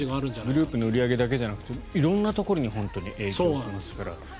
グループの売り上げだけじゃなくて色んなところに影響していますから。